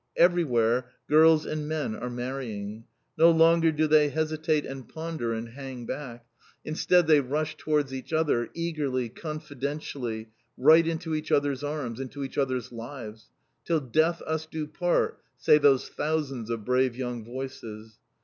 Everywhere girls and men are marrying. No longer do they hesitate and ponder, and hang back. Instead they rush towards each other, eagerly, confidentially, right into each others' arms, into each others' lives. "Till Death us do part!" say those thousands of brave young voices.